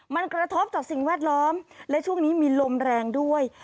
มันกระทบต่อสิ่งแวดล้อมและช่วงนี้มีลมแรงด้วย